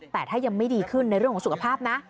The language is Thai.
แต่ถ้ายังไม่ดีขึ้นในเรื่องของสุขภาพนะ